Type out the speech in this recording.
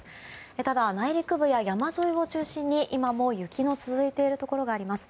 ただ、内陸部や山沿いを中心に今も雪の続いているところがあります。